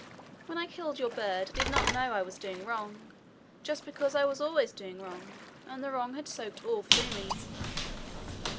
When I killed your bird I did not know I was doing wrong, just because I was always doing wrong, and the wrong had soaked all through me.'